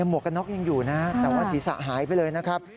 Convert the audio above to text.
วกกันน็อกยังอยู่นะแต่ว่าศีรษะหายไปเลยนะครับ